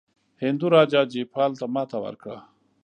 هندو راجا جیپال ته ماته ورکړه.